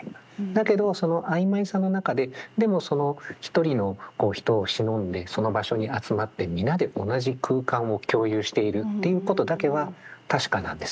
だけどその曖昧さの中ででもその一人の人をしのんでその場所に集まって皆で同じ空間を共有しているっていうことだけは確かなんですよね。